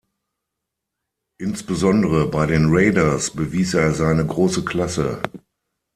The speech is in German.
Insbesondere bei den Raiders bewies er seine große Klasse.